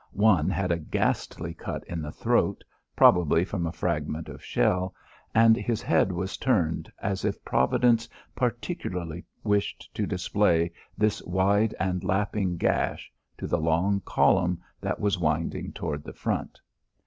One had a ghastly cut in the throat, probably from a fragment of shell, and his head was turned as if Providence particularly wished to display this wide and lapping gash to the long column that was winding toward the front.